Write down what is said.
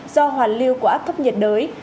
do hoàn lưu của áp thấp nhiệt đới